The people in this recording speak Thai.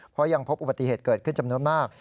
เพราะยังพบอุบัติเหตุเกิดขึ้นจำนวนมาก